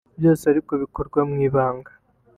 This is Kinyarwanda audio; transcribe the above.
byose ariko bikorwa mu ibanga